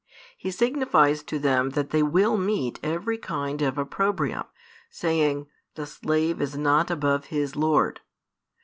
He signifies to them that they will meet every kind of |417 opprobrium, saying, "the slave is not above his lord."